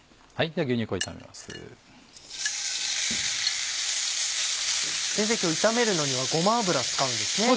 今日炒めるのにはごま油使うんですね。